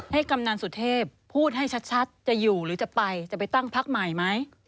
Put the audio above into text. กำนันสุเทพพูดให้ชัดจะอยู่หรือจะไปจะไปตั้งพักใหม่ไหม